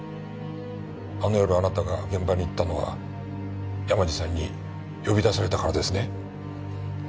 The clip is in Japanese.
あの夜あなたが現場に行ったのは山路さんに呼び出されたからですね？